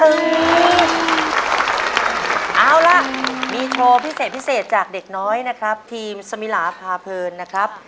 เอาล่ะมีโชว์พิเศษพิเศษจากเด็กน้อยนะครับทีมสมิลาพาเพลินนะครับ